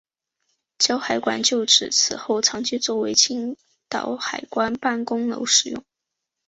胶海关旧址此后长期作为青岛海关办公楼使用。